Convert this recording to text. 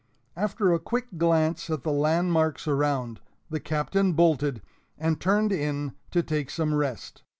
After a quick glance at the landmarks around, the Captain bolted, and turned in to take some rest.